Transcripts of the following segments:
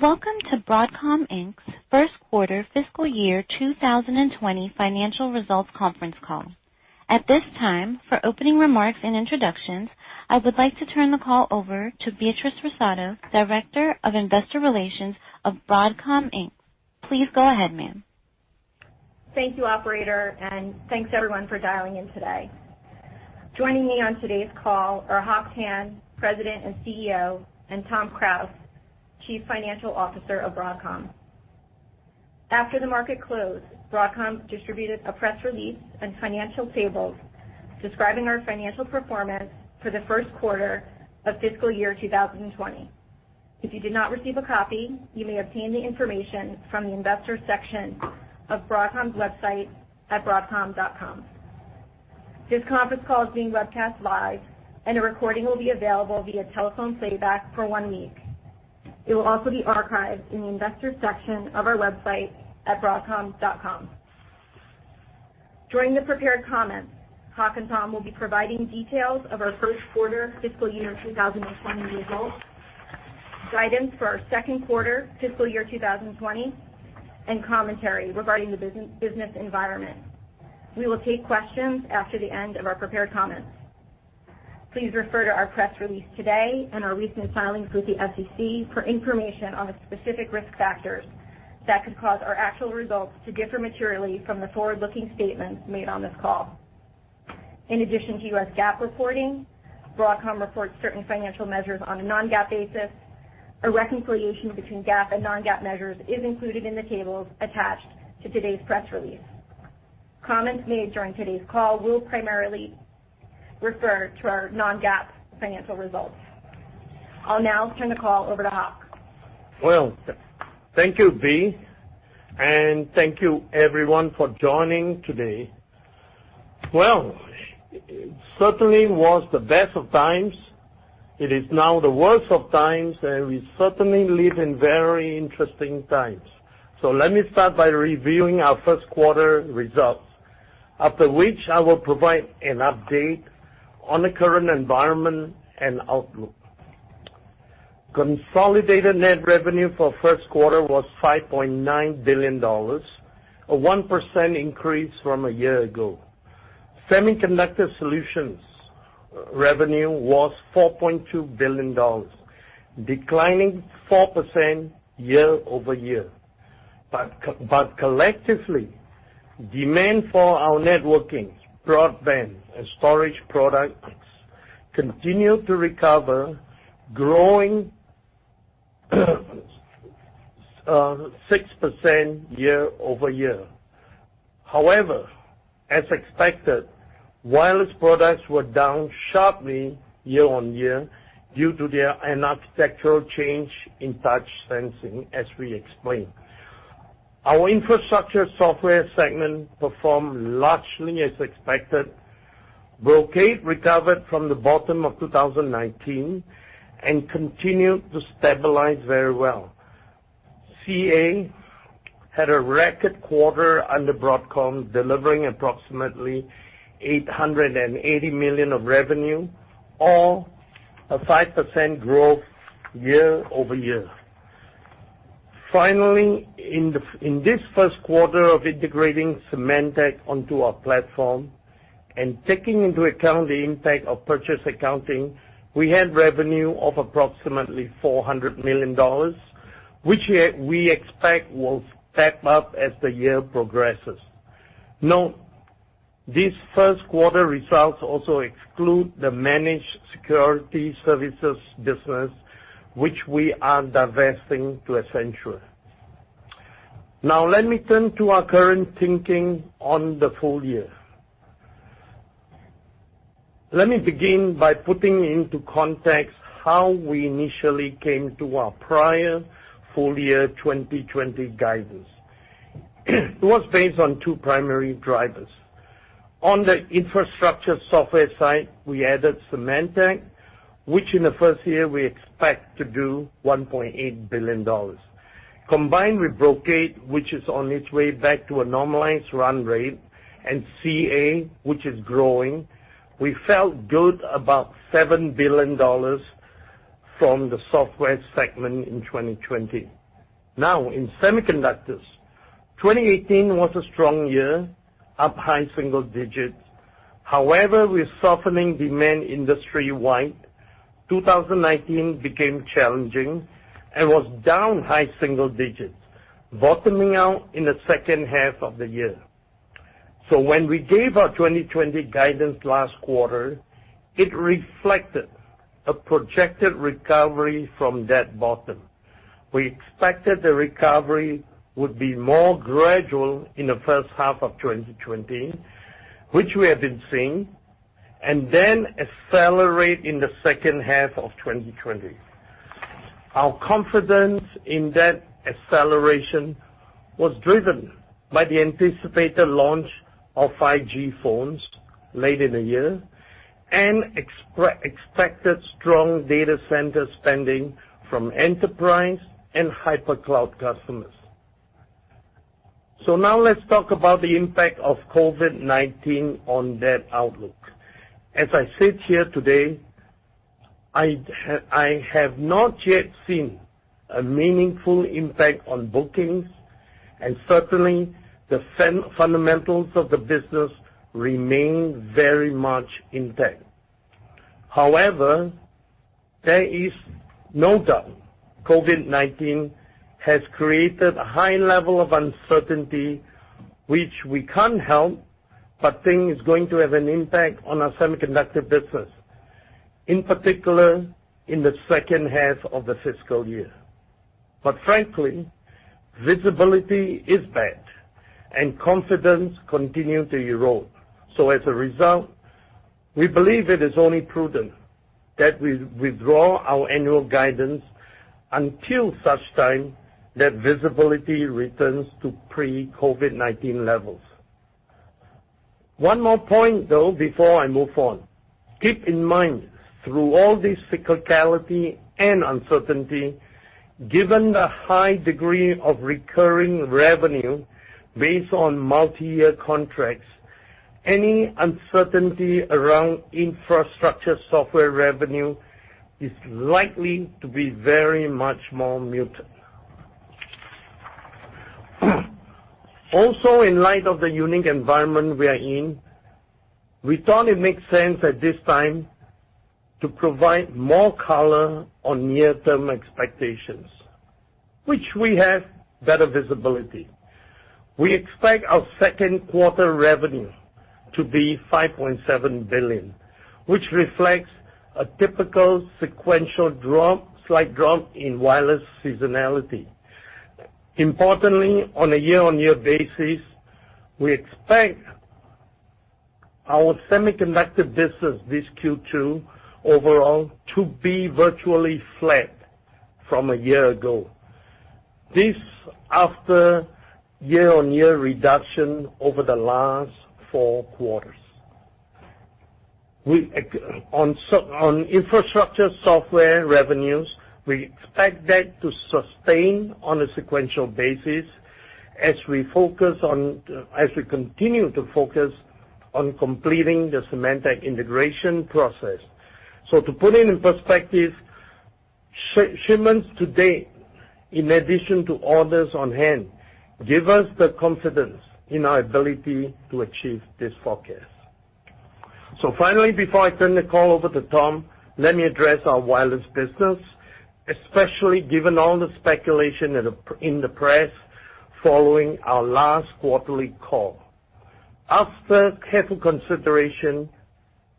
Welcome to Broadcom Inc's first quarter fiscal year 2020 financial results conference call. At this time, for opening remarks and introductions, I would like to turn the call over to Beatrice Russotto, Director of Investor Relations of Broadcom Inc. Please go ahead, ma'am. Thank you, operator, and thanks everyone for dialing in today. Joining me on today's call are Hock Tan, President and CEO, and Tom Krause, Chief Financial Officer of Broadcom. After the market closed, Broadcom distributed a press release and financial tables describing our financial performance for the first quarter of fiscal year 2020. If you did not receive a copy, you may obtain the information from the investor section of Broadcom's website at broadcom.com. This conference call is being webcast live, and a recording will be available via telephone playback for one week. It will also be archived in the investor section of our website at broadcom.com. During the prepared comments, Hock and Tom will be providing details of our first quarter fiscal year 2020 results, guidance for our second quarter fiscal year 2020, and commentary regarding the business environment. We will take questions after the end of our prepared comments. Please refer to our press release today and our recent filings with the SEC for information on the specific risk factors that could cause our actual results to differ materially from the forward-looking statements made on this call. In addition to U.S. GAAP reporting, Broadcom reports certain financial measures on a non-GAAP basis. A reconciliation between GAAP and non-GAAP measures is included in the tables attached to today's press release. Comments made during today's call will primarily refer to our non-GAAP financial results. I'll now turn the call over to Hock. Thank you, Bea, and thank you everyone for joining today. It certainly was the best of times. It is now the worst of times, and we certainly live in very interesting times. Let me start by reviewing our first quarter results. After which I will provide an update on the current environment and outlook. Consolidated net revenue for first quarter was $5.9 billion, a 1% increase from a year ago. Semiconductor Solutions revenue was $4.2 billion, declining 4% year-over-year. Collectively, demand for our networking, broadband, and storage products continued to recover, growing 6% year-over-year. However, as expected, wireless products were down sharply year-on-year due to their architectural change in touch sensing, as we explained. Our infrastructure software segment performed largely as expected. Brocade recovered from the bottom of 2019 and continued to stabilize very well. CA had a record quarter under Broadcom, delivering approximately $880 million of revenue or a 5% growth year-over-year. Finally, in this first quarter of integrating Symantec onto our platform and taking into account the impact of purchase accounting, we had revenue of approximately $400 million, which we expect will step up as the year progresses. Note, these first quarter results also exclude the Managed Security Services business, which we are divesting to Accenture. Let me turn to our current thinking on the full year. Let me begin by putting into context how we initially came to our prior full year 2020 guidance. It was based on two primary drivers. On the infrastructure software side, we added Symantec, which in the first year we expect to do $1.8 billion. Combined with Brocade, which is on its way back to a normalized run rate, and CA, which is growing, we felt good about $7 billion from the software segment in 2020. In semiconductors, 2018 was a strong year, up high single digits. With softening demand industry-wide, 2019 became challenging and was down high single digits, bottoming out in the second half of the year. When we gave our 2020 guidance last quarter, it reflected a projected recovery from that bottom. We expected the recovery would be more gradual in the first half of 2020, which we have been seeing, and then accelerate in the second half of 2020. Our confidence in that acceleration was driven by the anticipated launch of 5G phones late in the year and expected strong data center spending from enterprise and hypercloud customers. Now let's talk about the impact of COVID-19 on that outlook. As I sit here today, I have not yet seen a meaningful impact on bookings, and certainly the fundamentals of the business remain very much intact. However, there is no doubt COVID-19 has created a high level of uncertainty, which we can't help but think is going to have an impact on our semiconductor business, in particular, in the second half of the fiscal year. Frankly, visibility is bad and confidence continue to erode. As a result, we believe it is only prudent that we withdraw our annual guidance until such time that visibility returns to pre-COVID-19 levels. One more point, though, before I move on. Keep in mind, through all this cyclicality and uncertainty, given the high degree of recurring revenue based on multi-year contracts, any uncertainty around infrastructure software revenue is likely to be very much more muted. Also, in light of the unique environment we are in, we thought it makes sense at this time to provide more color on near-term expectations, which we have better visibility. We expect our second quarter revenue to be $5.7 billion, which reflects a typical sequential drop, slight drop in Wireless seasonality. Importantly, on a year-on-year basis, we expect our semiconductor business this Q2 overall to be virtually flat from a year ago. This after year-on-year reduction over the last four quarters. On Infrastructure Software revenues, we expect that to sustain on a sequential basis as we continue to focus on completing the Symantec integration process. To put it in perspective, shipments to date, in addition to orders on hand, give us the confidence in our ability to achieve this forecast. Finally, before I turn the call over to Tom, let me address our wireless business, especially given all the speculation in the press following our last quarterly call. After careful consideration,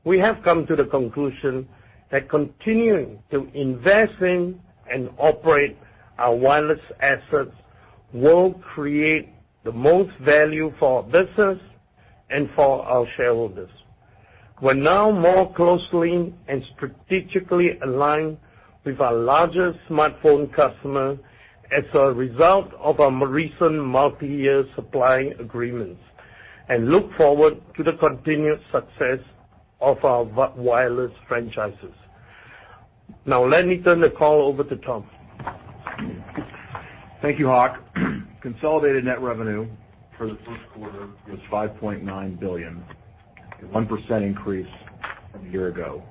we have come to the conclusion that continuing to invest in and operate our wireless assets will create the most value for our business and for our shareholders. We're now more closely and strategically aligned with our largest smartphone customer as a result of our recent multi-year supplying agreements, and look forward to the continued success of our wireless franchises. Let me turn the call over to Tom. Thank you, Hock. Consolidated net revenue for the first quarter was $5.9 billion, 1% increase from a year ago.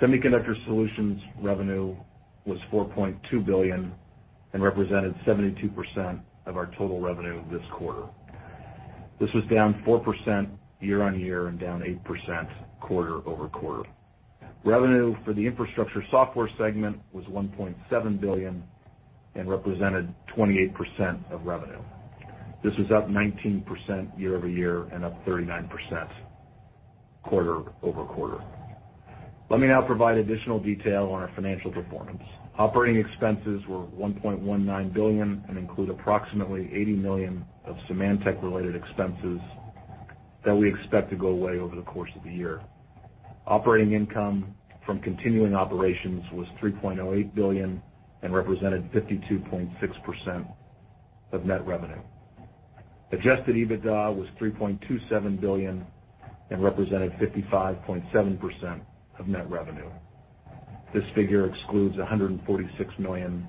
Semiconductor Solutions revenue was $4.2 billion and represented 72% of our total revenue this quarter. This was down 4% year-on-year and down 8% quarter-over-quarter. Revenue for the Infrastructure Software segment was $1.7 billion and represented 28% of revenue. This was up 19% year-over-year and up 39% quarter-over-quarter. Let me now provide additional detail on our financial performance. Operating expenses were $1.19 billion and include approximately $80 million of Symantec-related expenses that we expect to go away over the course of the year. Operating income from continuing operations was $3.08 billion and represented 52.6% of net revenue. Adjusted EBITDA was $3.27 billion and represented 55.7% of net revenue. This figure excludes $146 million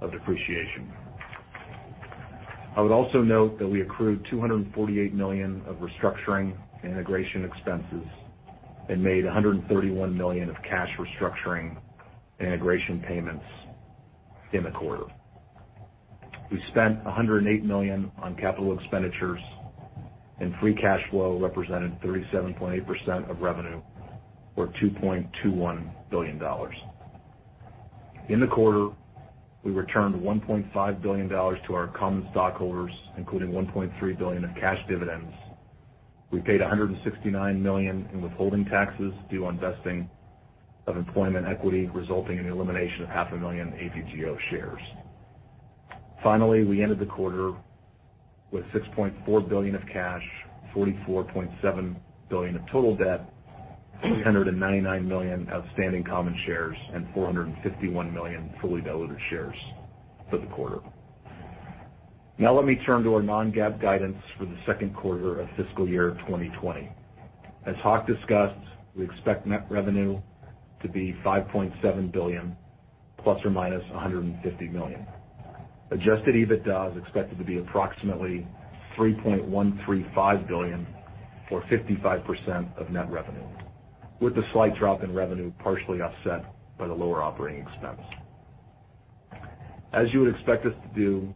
of depreciation. I would also note that we accrued $248 million of restructuring and integration expenses and made $131 million of cash restructuring and integration payments in the quarter. We spent $108 million on capital expenditures, and free cash flow represented 37.8% of revenue or $2.21 billion. In the quarter, we returned $1.5 billion to our common stockholders, including $1.3 billion of cash dividends. We paid $169 million in withholding taxes due on vesting of employment equity, resulting in the elimination of 500,000 AVGO shares. Finally, we ended the quarter with $6.4 billion of cash, $44.7 billion of total debt, 399 million outstanding common shares, and 451 million fully diluted shares for the quarter. Let me turn to our non-GAAP guidance for the second quarter of fiscal year 2020. As Hock discussed, we expect net revenue to be $5.7 billion ±$150 million. Adjusted EBITDA is expected to be approximately $3.135 billion, or 55% of net revenue, with the slight drop in revenue partially offset by the lower operating expense. As you would expect us to do,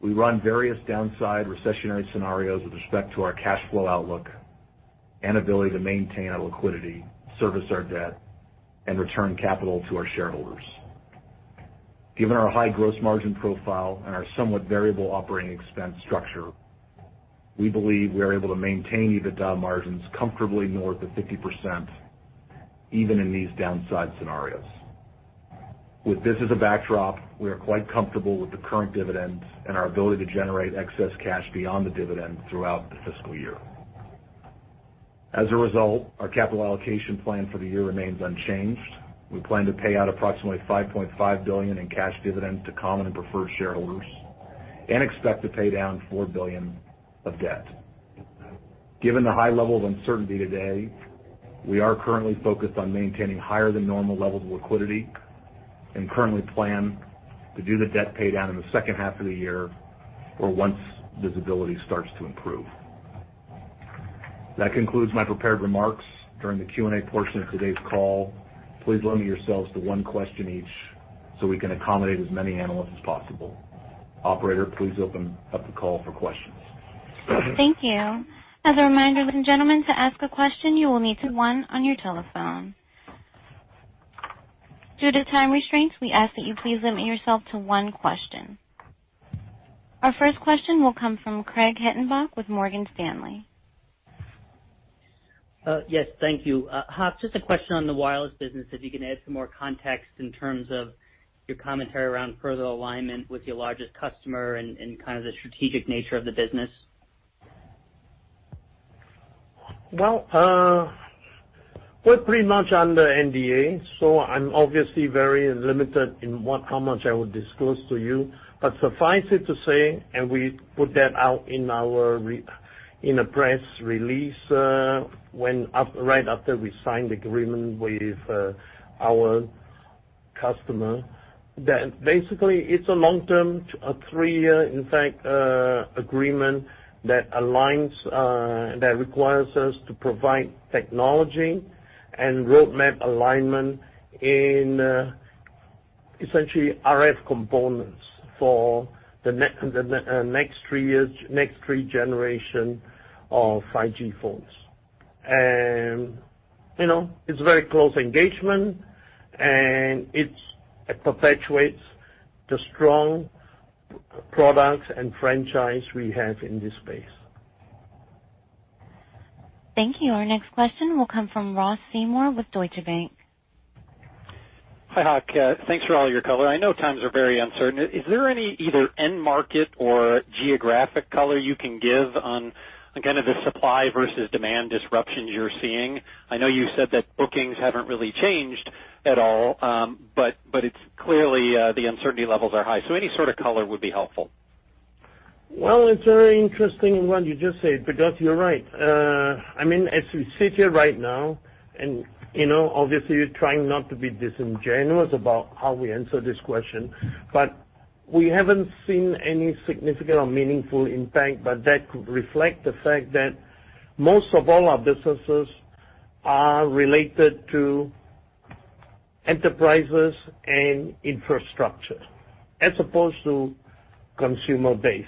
we run various downside recessionary scenarios with respect to our cash flow outlook and ability to maintain our liquidity, service our debt, and return capital to our shareholders. Given our high gross margin profile and our somewhat variable operating expense structure, we believe we are able to maintain EBITDA margins comfortably north of 50%, even in these downside scenarios. With this as a backdrop, we are quite comfortable with the current dividends and our ability to generate excess cash beyond the dividend throughout the fiscal year. As a result, our capital allocation plan for the year remains unchanged. We plan to pay out approximately $5.5 billion in cash dividends to common and preferred shareholders and expect to pay down $4 billion of debt. Given the high level of uncertainty today, we are currently focused on maintaining higher than normal levels of liquidity and currently plan to do the debt pay down in the second half of the year, or once visibility starts to improve. That concludes my prepared remarks. During the Q&A portion of today's call, please limit yourselves to one question each so we can accommodate as many analysts as possible. Operator, please open up the call for questions. Thank you. As a reminder, ladies and gentlemen, to ask a question, you will need to one on your telephone. Due to time restraints, we ask that you please limit yourself to one question. Our first question will come from Craig Hettenbach with Morgan Stanley. Yes, thank you. Hock, just a question on the wireless business, if you can add some more context in terms of your commentary around further alignment with your largest customer and the strategic nature of the business. Well, we're pretty much under NDA. I'm obviously very limited in how much I would disclose to you. Suffice it to say, we put that out in a press release right after we signed the agreement with our customer, that basically it's a long-term, a three-year, in fact, agreement that requires us to provide technology and roadmap alignment in essentially RF components for the next three years, next three generation of 5G phones. It's a very close engagement. It perpetuates the strong products and franchise we have in this space. Thank you. Our next question will come from Ross Seymore with Deutsche Bank. Hi, Hock. Thanks for all your color. I know times are very uncertain. Is there either end market or geographic color you can give on kind of the supply versus demand disruptions you're seeing? I know you said that bookings haven't really changed at all. It's clearly the uncertainty levels are high. Any sort of color would be helpful. Well, it's very interesting what you just said, because you're right. As we sit here right now, and obviously trying not to be disingenuous about how we answer this question, but we haven't seen any significant or meaningful impact. That could reflect the fact that most of all our businesses are related to enterprises and infrastructure as opposed to consumer base.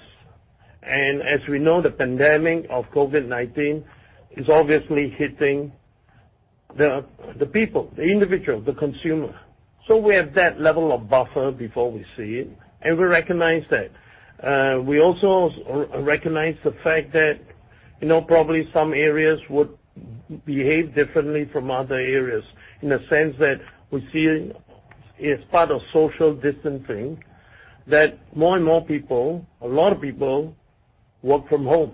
As we know, the pandemic of COVID-19 is obviously hitting the people, the individual, the consumer. We have that level of buffer before we see it, and we recognize that. We also recognize the fact that probably some areas would behave differently from other areas in the sense that we see as part of social distancing, that more and more people, a lot of people work from home,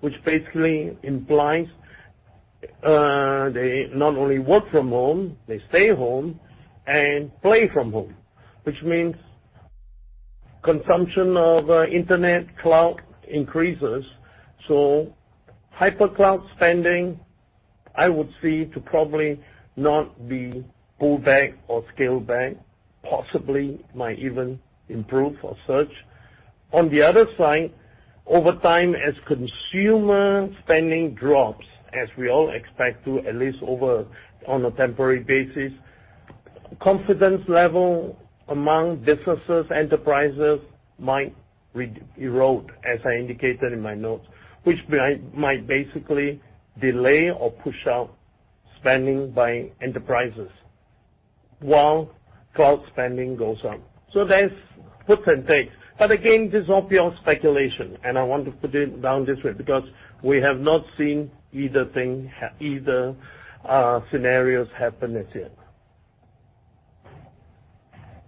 which basically implies they not only work from home, they stay home and play from home, which means consumption of internet cloud increases. Hypercloud spending, I would see to probably not be pulled back or scaled back, possibly might even improve or surge. On the other side, over time, as consumer spending drops, as we all expect to, at least on a temporary basis, confidence level among businesses, enterprises might erode, as I indicated in my notes, which might basically delay or push out spending by enterprises while cloud spending goes up. There's gives and takes. Again, this is all pure speculation, and I want to put it down this way because we have not seen either scenarios happen as yet.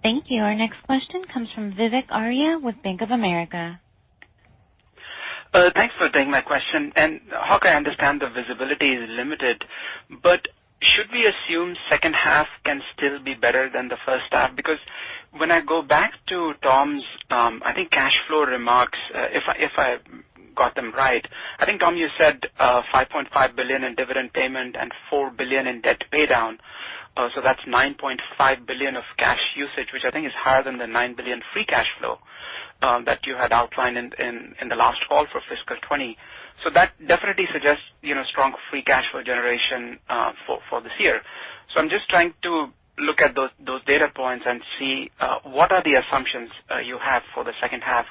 Thank you. Our next question comes from Vivek Arya with Bank of America. Thanks for taking my question. Hock, I understand the visibility is limited, but should we assume second half can still be better than the first half? When I go back to Tom's, I think, cash flow remarks. Got them right. I think, Tom, you said $5.5 billion in dividend payment and $4 billion in debt paydown. That's $9.5 billion of cash usage, which I think is higher than the $9 billion free cash flow that you had outlined in the last call for fiscal 2020. That definitely suggests strong free cash flow generation for this year. I'm just trying to look at those data points and see what are the assumptions you have for the second half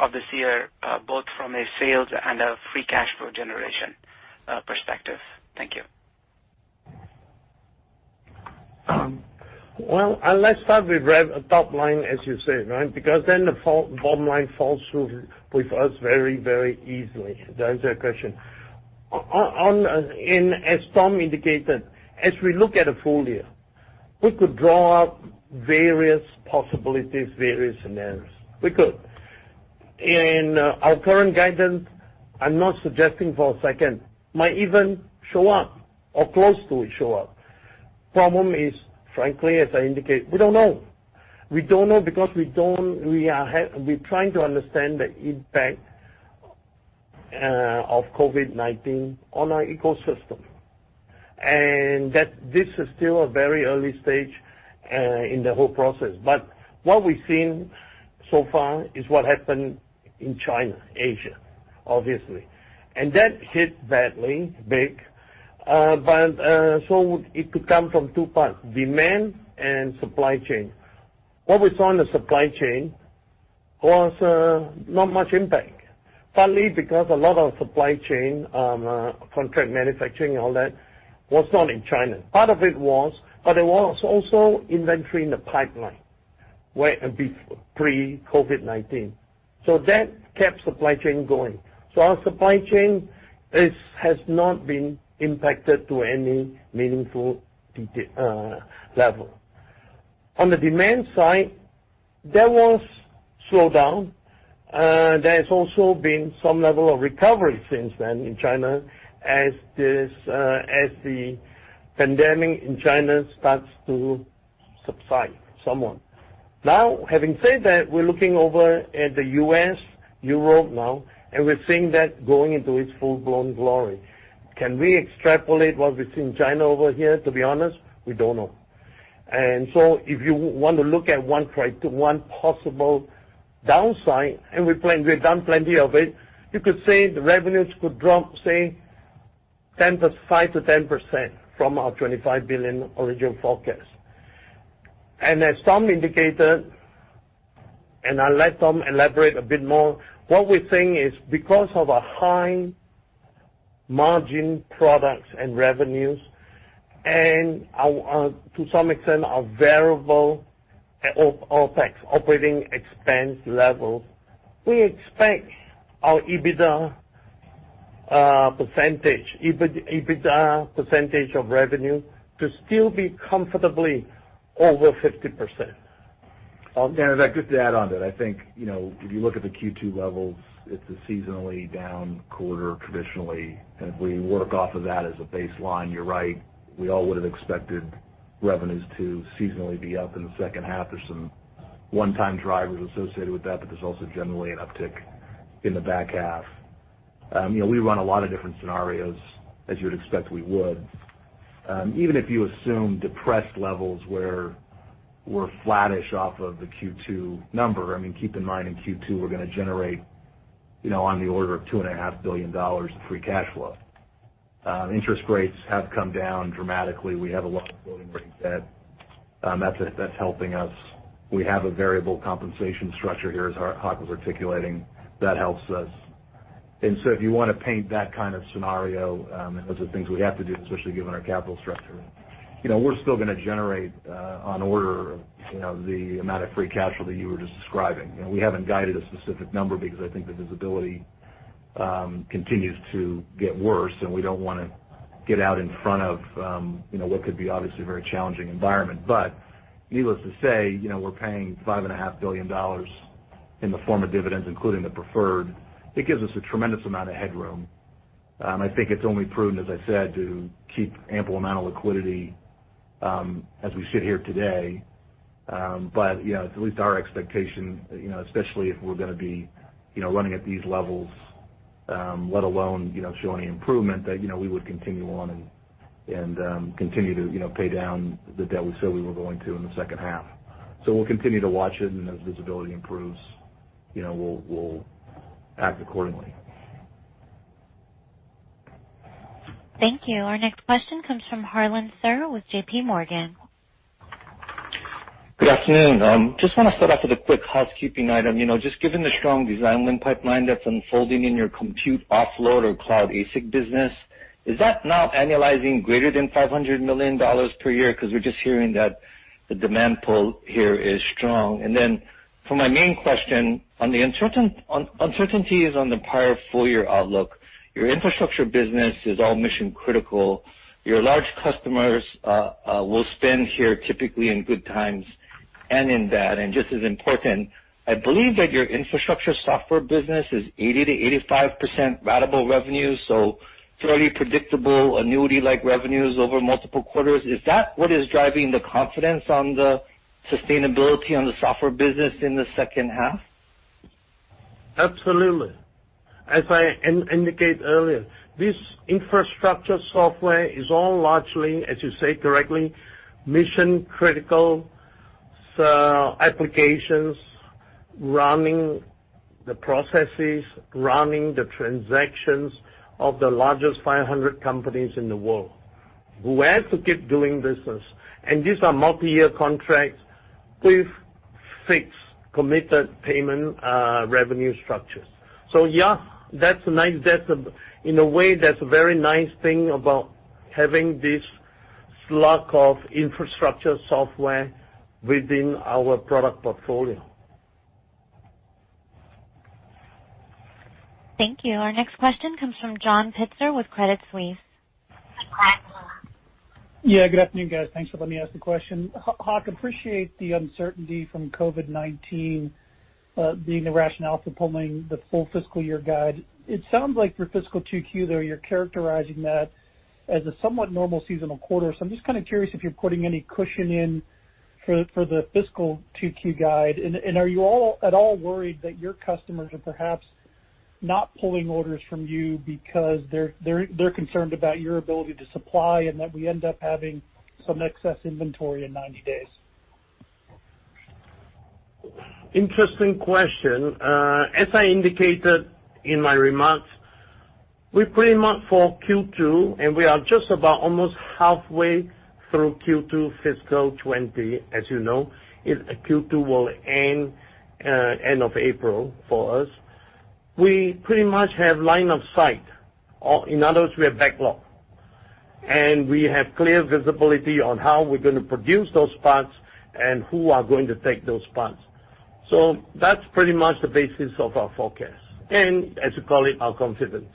of this year, both from a sales and a free cash flow generation perspective. Thank you. Well, let's start with top line, as you said, right? Then the bottom line falls through with us very easily. To answer your question. As Tom indicated, as we look at a full year, we could draw up various possibilities, various scenarios. We could. In our current guidance, I'm not suggesting for a second, might even show up or close to show up. Problem is, frankly, as I indicate, we don't know. We don't know because we're trying to understand the impact of COVID-19 on our ecosystem. That this is still a very early stage in the whole process. What we've seen so far is what happened in China, Asia, obviously. That hit badly, big. It could come from two parts, demand and supply chain. What we saw in the supply chain was not much impact, partly because a lot of supply chain, contract manufacturing, all that, was not in China. Part of it was, there was also inventory in the pipeline pre-COVID-19. That kept supply chain going. Our supply chain has not been impacted to any meaningful level. On the demand side, there was slowdown. There has also been some level of recovery since then in China as the pandemic in China starts to subside somewhat. Having said that, we're looking over at the U.S., Europe now, and we're seeing that going into its full-blown glory. Can we extrapolate what we see in China over here? To be honest, we don't know. If you want to look at one possible downside, and we've done plenty of it, you could say the revenues could drop, say, 5%-10% from our $25 billion original forecast. As Tom indicated, and I'll let Tom elaborate a bit more, what we're seeing is because of a high margin products and revenues and to some extent our variable OpEx, operating expense levels, we expect our EBITDA percentage of revenue to still be comfortably over 50%. Just to add on to that, I think, if you look at the Q2 levels, it's a seasonally down quarter traditionally. If we work off of that as a baseline, you're right, we all would have expected revenues to seasonally be up in the second half. There's some one-time drivers associated with that, but there's also generally an uptick in the back half. We run a lot of different scenarios as you would expect we would. Even if you assume depressed levels were flattish off of the Q2 number, keep in mind in Q2, we're going to generate on the order of $2.5 billion of free cash flow. Interest rates have come down dramatically. We have a lot of floating rate debt. That's helping us. We have a variable compensation structure here, as Hock was articulating. That helps us. If you want to paint that kind of scenario, those are things we have to do, especially given our capital structure. We're still going to generate on order of the amount of free cash flow that you were just describing. We haven't guided a specific number because I think the visibility continues to get worse, and we don't want to get out in front of what could be obviously a very challenging environment. Needless to say, we're paying $5.5 billion in the form of dividends, including the preferred. It gives us a tremendous amount of headroom. I think it's only prudent, as I said, to keep ample amount of liquidity as we sit here today. It's at least our expectation, especially if we're going to be running at these levels, let alone showing improvement, that we would continue on and continue to pay down the debt we said we were going to in the second half. We'll continue to watch it, and as visibility improves, we'll act accordingly. Thank you. Our next question comes from Harlan Sur with JPMorgan. Good afternoon. Just want to start off with a quick housekeeping item. Just given the strong design win pipeline that's unfolding in your compute offload or cloud ASIC business, is that now annualizing greater than $500 million per year? Because we're just hearing that the demand pull here is strong. For my main question on the uncertainties on the prior full year outlook, your infrastructure business is all mission-critical. Your large customers will spend here typically in good times and in bad. Just as important, I believe that your infrastructure software business is 80%-85% ratable revenue, so fairly predictable annuity-like revenues over multiple quarters. Is that what is driving the confidence on the sustainability on the software business in the second half? Absolutely. As I indicate earlier, this infrastructure software is all largely, as you say directly, mission-critical applications running the processes, running the transactions of the largest 500 companies in the world who have to keep doing business. These are multi-year contracts with fixed committed payment revenue structures. Yeah, in a way, that's a very nice thing about having this slug of infrastructure software within our product portfolio. Thank you. Our next question comes from John Pitzer with Credit Suisse. Good afternoon, guys. Thanks for letting me ask the question. Hock, appreciate the uncertainty from COVID-19, being the rationale for pulling the full fiscal year guide. It sounds like for fiscal Q2, though, you're characterizing that as a somewhat normal seasonal quarter. I'm just kind of curious if you're putting any cushion in for the fiscal Q2 guide. Are you at all worried that your customers are perhaps not pulling orders from you because they're concerned about your ability to supply and that we end up having some excess inventory in 90 days? Interesting question. As I indicated in my remarks, we pretty much for Q2, and we are just about almost halfway through Q2 fiscal 2020, as you know. Q2 will end end of April for us. We pretty much have line of sight. In other words, we have backlog, and we have clear visibility on how we're going to produce those parts and who are going to take those parts. That's pretty much the basis of our forecast and, as you call it, our confidence.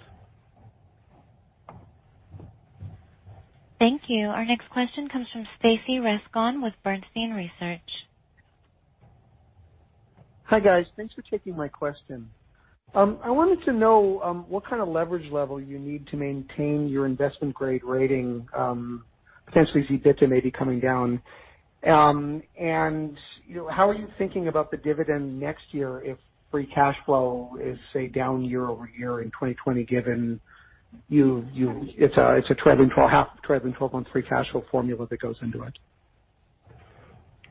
Thank you. Our next question comes from Stacy Rasgon with Bernstein Research. Hi, guys. Thanks for taking my question. I wanted to know what kind of leverage level you need to maintain your investment-grade rating, potentially if EBITDA may be coming down. How are you thinking about the dividend next year if free cash flow is, say, down year-over-year in 2020, given it's a 12 in 12 months free cash flow formula that goes into it?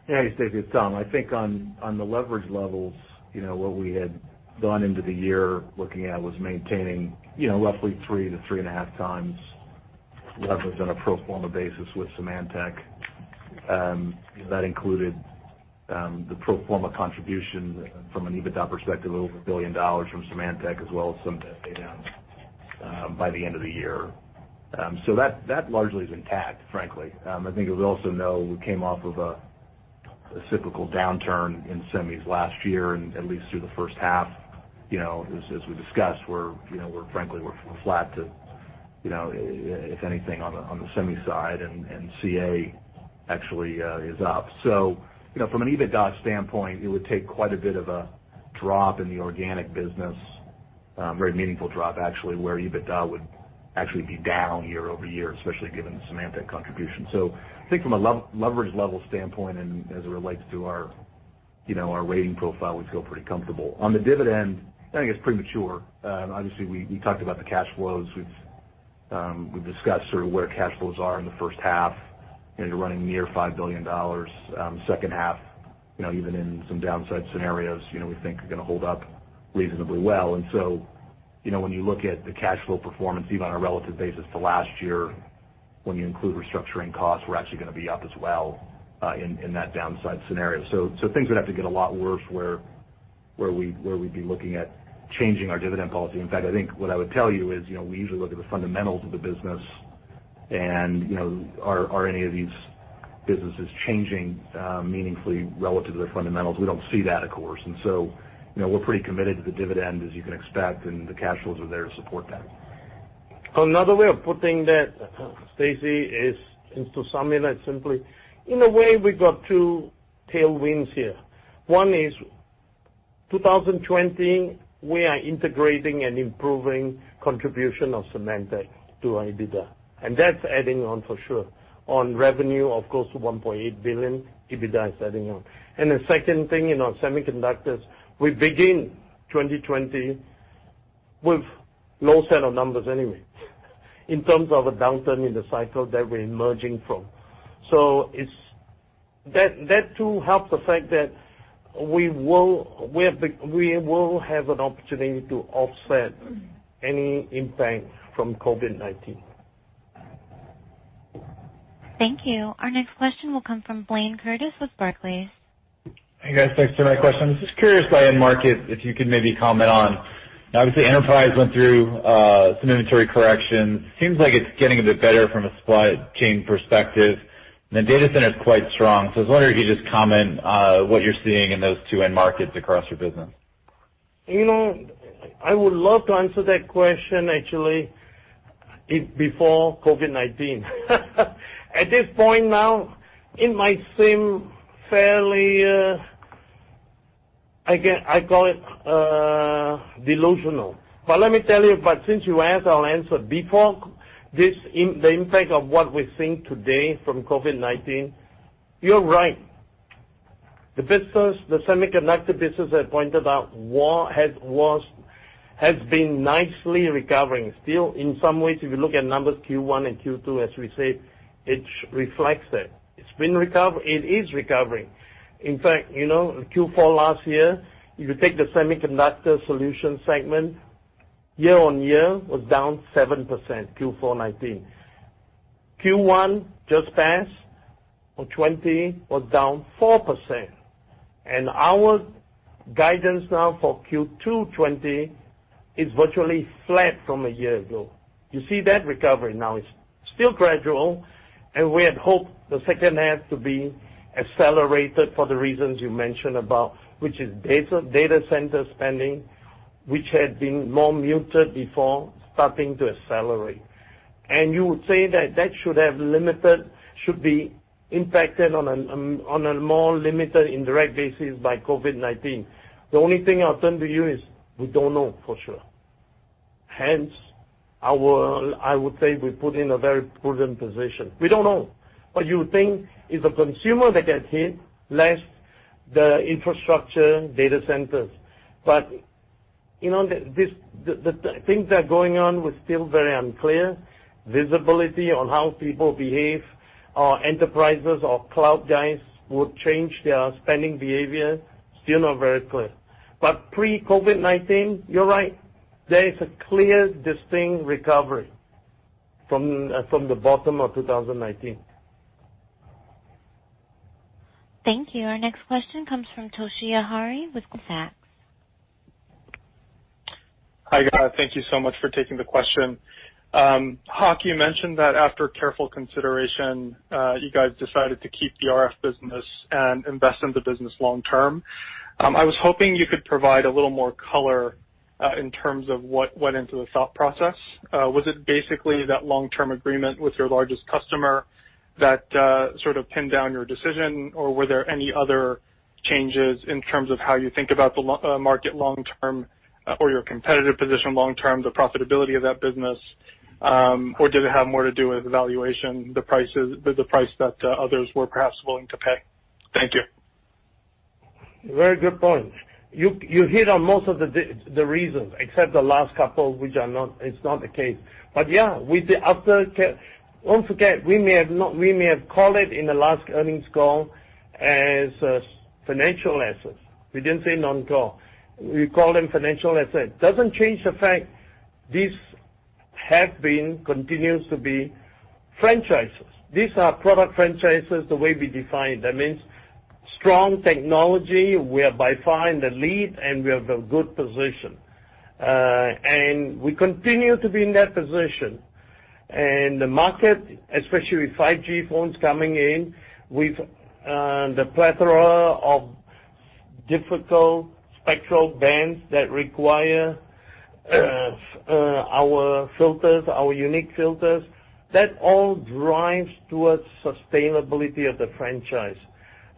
Stacy, it's Tom. I think on the leverage levels, what we had gone into the year looking at was maintaining roughly 3x-3.5x Leverage on a pro forma basis with Symantec. That included the pro forma contribution from an EBITDA perspective, a little over $1 billion from Symantec, as well as some pay downs by the end of the year. That largely has been tagged, frankly. I think as we also know, we came off of a cyclical downturn in semis last year, and at least through the first half, as we discussed, we're frankly flat to, if anything, on the semi side, and CA actually is up. From an EBITDA standpoint, it would take quite a bit of a drop in the organic business, very meaningful drop, actually, where EBITDA would actually be down year-over-year, especially given the Symantec contribution. I think from a leverage level standpoint and as it relates to our rating profile, we feel pretty comfortable. On the dividend, I think it's premature. Obviously, we talked about the cash flows. We've discussed sort of where cash flows are in the first half into running near $5 billion. Second half, even in some downside scenarios, we think are going to hold up reasonably well. When you look at the cash flow performance, even on a relative basis to last year, when you include restructuring costs, we're actually going to be up as well in that downside scenario. Things would have to get a lot worse where we'd be looking at changing our dividend policy. In fact, I think what I would tell you is we usually look at the fundamentals of the business and are any of these businesses changing meaningfully relative to their fundamentals? We don't see that, of course. We're pretty committed to the dividend, as you can expect, and the cash flows are there to support that. Another way of putting that, Stacy, is, to sum it up simply, in a way, we got two tailwinds here. One is 2020, we are integrating and improving contribution of Symantec to our EBITDA, that's adding on for sure on revenue, of course, to $1.8 billion, EBITDA is adding on. The second thing in our semiconductors, we begin 2020 with low set of numbers anyway in terms of a downturn in the cycle that we're emerging from. That too helps the fact that we will have an opportunity to offset any impact from COVID-19. Thank you. Our next question will come from Blayne Curtis with Barclays. Hey, guys, thanks for my question. Just curious by end market, if you could maybe comment on. Obviously, enterprise went through some inventory correction. Seems like it's getting a bit better from a supply chain perspective, and the data center is quite strong. I was wondering if you could just comment on what you're seeing in those two end markets across your business? I would love to answer that question actually before COVID-19. At this point now, it might seem fairly-I call it delusional. Let me tell you, since you asked, I'll answer. Before the impact of what we're seeing today from COVID-19, you're right. The business, the semiconductor business I pointed out, has been nicely recovering. Still, in some ways, if you look at numbers Q1 and Q2, as we say, it reflects that. It's been recovering. It is recovering. In fact, Q4 last year, if you take the semiconductor solution segment, year-on-year was down 7%, Q4 2019. Q1 just passed for 2020, was down 4%. Our guidance now for Q2 2020 is virtually flat from a year ago. You see that recovery now. It's still gradual. We had hoped the second half to be accelerated for the reasons you mentioned about, which is data center spending, which had been more muted before, starting to accelerate. You would say that should be impacted on a more limited indirect basis by COVID-19. The only thing I'll turn to you is, we don't know for sure. Hence, I would say we're put in a very prudent position. We don't know. You would think it's the consumer that gets hit, less the infrastructure data centers. The things that are going on, we're still very unclear. Visibility on how people behave or enterprises or cloud guys would change their spending behavior, still not very clear. Pre-COVID-19, you're right. There is a clear, distinct recovery from the bottom of 2019. Thank you. Our next question comes from Toshiya Hari with Goldman Sachs. Hi, guys. Thank you so much for taking the question. Hock, you mentioned that after careful consideration, you guys decided to keep the RF business and invest in the business long term. I was hoping you could provide a little more color in terms of what went into the thought process. Was it basically that long-term agreement with your largest customer that sort of pinned down your decision, or were there any other changes in terms of how you think about the market long term or your competitive position long term, the profitability of that business? Did it have more to do with valuation, the price that others were perhaps willing to pay? Thank you. Very good point. You hit on most of the reasons, except the last couple, which it's not the case. Yeah. Don't forget, we may have called it in the last earnings call as a financial asset. We didn't say non-core. We called them financial asset. Doesn't change the fact these have been, continues to be franchises. These are product franchises the way we define. That means strong technology, we are by far in the lead, and we have a good position. We continue to be in that position. The market, especially with 5G phones coming in, with the plethora of difficult spectral bands that require our unique filters, that all drives towards sustainability of the franchise.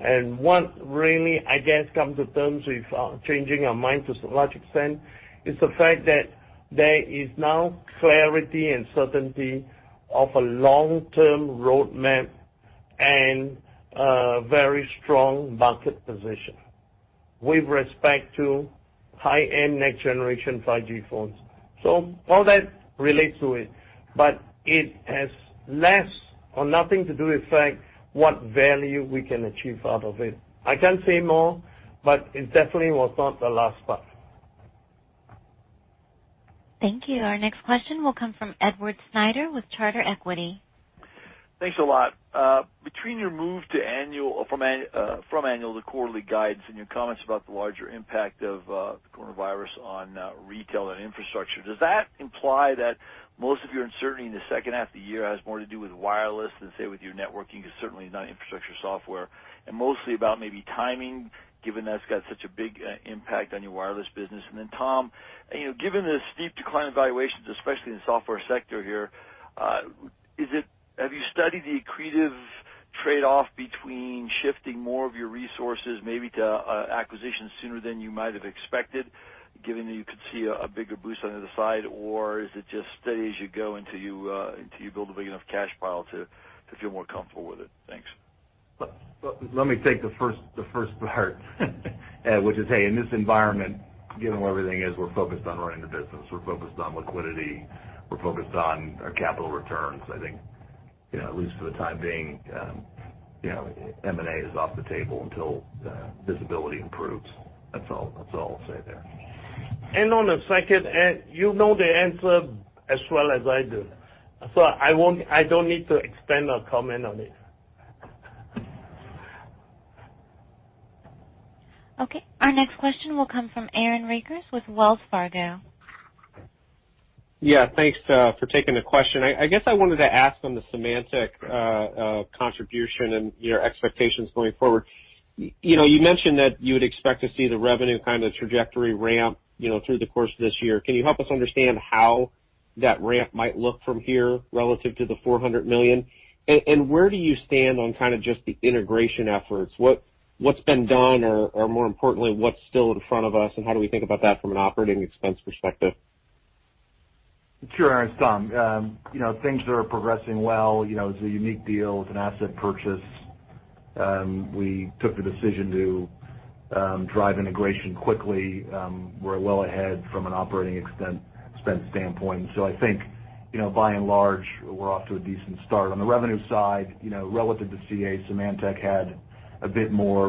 What really, I guess, come to terms with changing our mind to a large extent is the fact that there is now clarity and certainty of a long-term roadmap and a very strong market position with respect to high-end next generation 5G phones. All that relates to it, but it has less or nothing to do with the fact what value we can achieve out of it. I can't say more, but it definitely was not the last part. Thank you. Our next question will come from Edward Snyder with Charter Equity. Thanks a lot. Between your move from annual to quarterly guidance and your comments about the larger impact of the coronavirus on retail and infrastructure, does that imply that most of your uncertainty in the second half of the year has more to do with wireless than, say, with your networking? Certainly not infrastructure software. Mostly about maybe timing, given that it's got such a big impact on your wireless business. Tom, given the steep decline in valuations, especially in the software sector here, have you studied the accretive trade-off between shifting more of your resources maybe to acquisitions sooner than you might have expected, given that you could see a bigger boost on the other side? Is it just steady as you go until you build a big enough cash pile to feel more comfortable with it? Thanks. Let me take the first part which is, hey, in this environment, given where everything is, we're focused on running the business. We're focused on liquidity. We're focused on our capital returns. I think at least for the time being, M&A is off the table until visibility improves. That's all I'll say there. On the second, you know the answer as well as I do. I don't need to expand or comment on it. Okay. Our next question will come from Aaron Rakers with Wells Fargo. Yeah. Thanks for taking the question. I guess I wanted to ask on the Symantec contribution and your expectations going forward. You mentioned that you would expect to see the revenue kind of trajectory ramp through the course of this year. Can you help us understand how that ramp might look from here relative to the $400 million? Where do you stand on kind of just the integration efforts? What's been done or more importantly, what's still in front of us, and how do we think about that from an operating expense perspective? Sure, Aaron. Tom. Things are progressing well. It's a unique deal. It's an asset purchase. We took the decision to drive integration quickly. We're well ahead from an operating expense standpoint. I think, by and large, we're off to a decent start. On the revenue side, relative to CA, Symantec had a bit more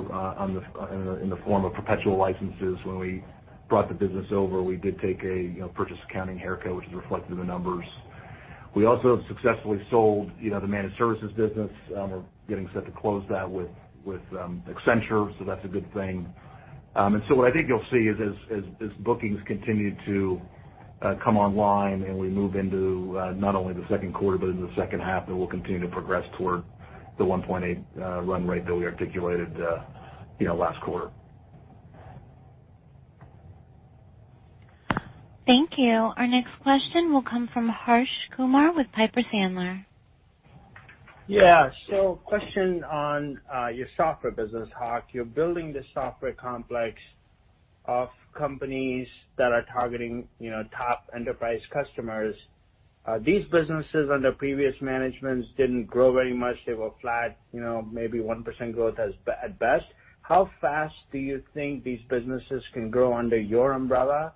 in the form of perpetual licenses. When we brought the business over, we did take a purchase accounting haircut, which is reflected in the numbers. We also have successfully sold the Managed Services business. We're getting set to close that with Accenture, so that's a good thing. What I think you'll see is as bookings continue to come online and we move into not only the second quarter but into the second half, that we'll continue to progress toward the $1.8 billion run rate that we articulated last quarter. Thank you. Our next question will come from Harsh Kumar with Piper Sandler. Yeah. Question on your software business, Hock. You're building this software complex of companies that are targeting top enterprise customers. These businesses under previous managements didn't grow very much. They were flat, maybe 1% growth at best. How fast do you think these businesses can grow under your umbrella?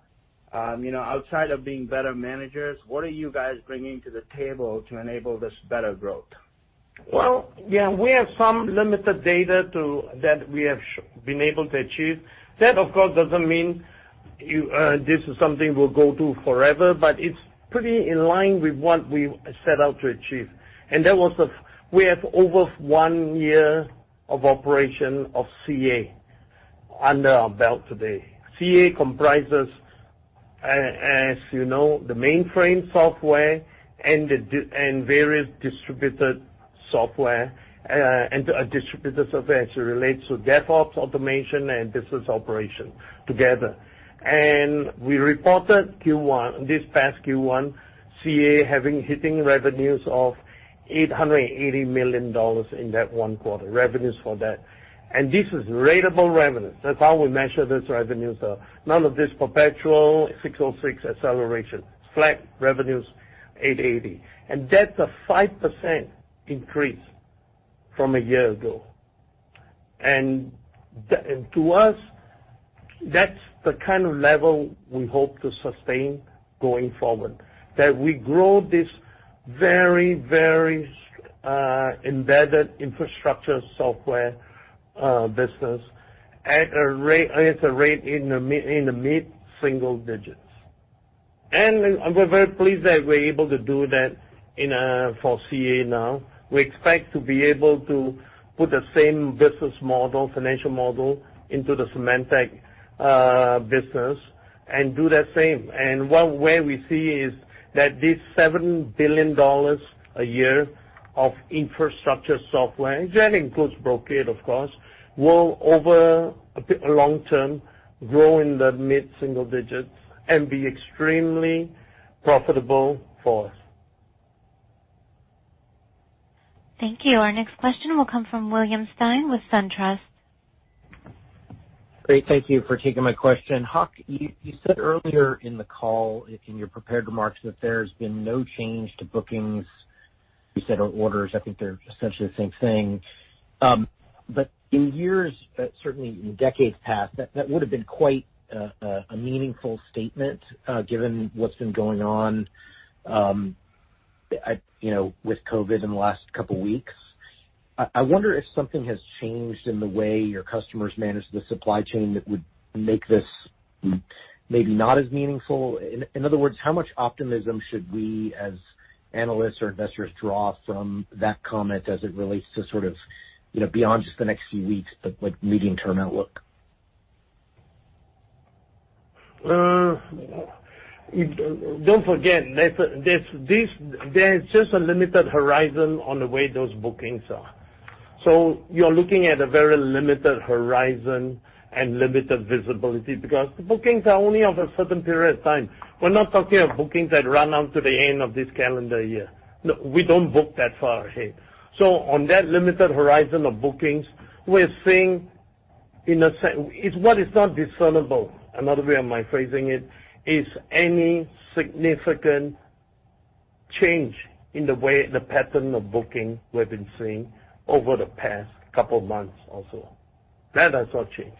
Outside of being better managers, what are you guys bringing to the table to enable this better growth? Well, yeah, we have some limited data that we have been able to achieve. That, of course, doesn't mean this is something we'll go to forever, but it's pretty in line with what we set out to achieve. We have over one year of operation of CA under our belt today. CA comprises, as you know, the mainframe software and various distributed software as it relates to DevOps automation and business operation together. We reported this past Q1, CA hitting revenues of $880 million in that one quarter, revenues for that. This is ratable revenue. That's how we measure those revenues. None of this perpetual 606 acceleration. Flat revenues, $880. That's a 5% increase from a year ago. To us, that's the kind of level we hope to sustain going forward, that we grow this very, very embedded infrastructure software business at a rate in the mid-single digits. We're very pleased that we're able to do that for CA now. We expect to be able to put the same business model, financial model into the Symantec business and do the same. One way we see is that this $7 billion a year of infrastructure software, and that includes Brocade, of course, will over a long term grow in the mid-single digits and be extremely profitable for us. Thank you. Our next question will come from William Stein with SunTrust. Great. Thank you for taking my question. Hock, you said earlier in the call, in your prepared remarks, that there's been no change to bookings, you said, or orders. I think they're essentially the same thing. In years, certainly in decades past, that would have been quite a meaningful statement, given what's been going on, with COVID in the last couple weeks. I wonder if something has changed in the way your customers manage the supply chain that would make this maybe not as meaningful. In other words, how much optimism should we, as analysts or investors, draw from that comment as it relates to sort of beyond just the next few weeks, but like medium-term outlook? Don't forget, there's just a limited horizon on the way those bookings are. You're looking at a very limited horizon and limited visibility because the bookings are only of a certain period of time. We're not talking of bookings that run on to the end of this calendar year. We don't book that far ahead. On that limited horizon of bookings, what is not discernible, another way of my phrasing it, is any significant change in the pattern of booking we've been seeing over the past couple of months or so. That has not changed.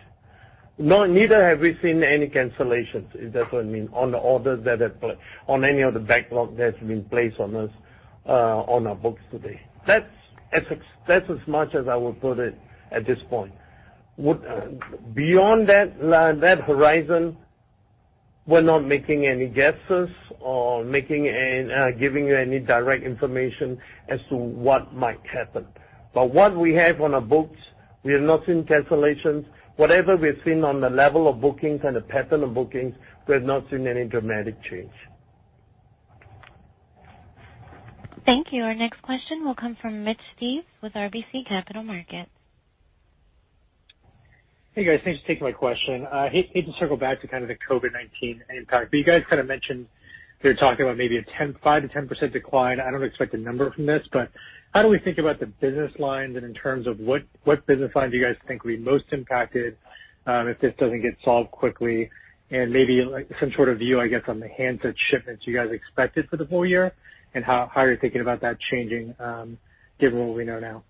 Neither have we seen any cancellations, if that's what you mean, on any of the backlog that's been placed on our books today. That's as much as I will put it at this point. Beyond that horizon, we're not making any guesses or giving you any direct information as to what might happen. What we have on our books, we have not seen cancellations. Whatever we've seen on the level of bookings and the pattern of bookings, we have not seen any dramatic change. Thank you. Our next question will come from Mitch Steves with RBC Capital Markets. Hey guys, thanks for taking my question. I hate to circle back to kind of the COVID-19 impact, but you guys kind of mentioned you're talking about maybe a 5%-10% decline. I don't expect a number from this, but how do we think about the business lines? In terms of what business lines do you guys think will be most impacted, if this doesn't get solved quickly? Maybe some sort of view, I guess, on the handset shipments you guys expected for the full year, and how you're thinking about that changing, given what we know now.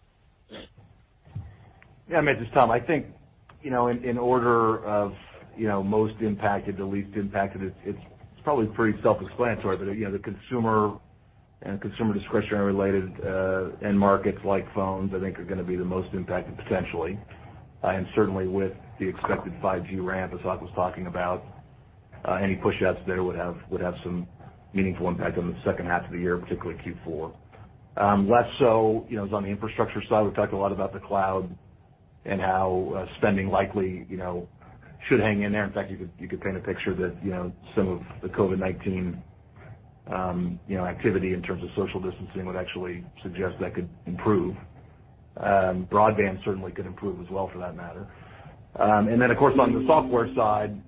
Yeah, Mitch, this is Tom. I think, in order of most impacted to least impacted, it's probably pretty self-explanatory. The consumer and consumer discretionary related end markets like phones, I think are going to be the most impacted potentially. Certainly with the expected 5G ramp, as Hock was talking about, any pushouts there would have some meaningful impact on the second half of the year, particularly Q4. Less so on the infrastructure side. We've talked a lot about the cloud and how spending likely should hang in there. In fact, you could paint a picture that some of the COVID-19 activity in terms of social distancing would actually suggest that could improve. Broadband certainly could improve as well for that matter. Then of course, on the software side,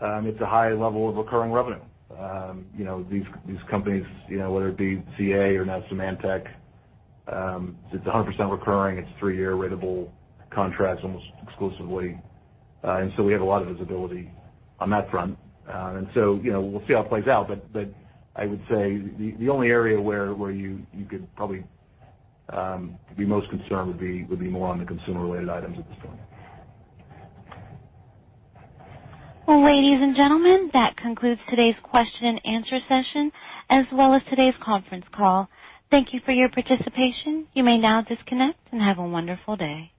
it's a high level of recurring revenue. These companies, whether it be CA or now Symantec, it's 100% recurring. It's three-year ratable contracts almost exclusively. We have a lot of visibility on that front. We'll see how it plays out, but I would say the only area where you could probably be most concerned would be more on the consumer-related items at this point. Well, ladies and gentlemen, that concludes today's question and answer session as well as today's conference call. Thank you for your participation. You may now disconnect, and have a wonderful day.